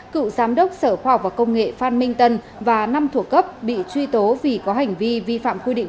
cựu giám đốc sở khoa học và công nghệ phan minh tân và năm thủ cấp bị truy tố vì có hành vi vi phạm quy định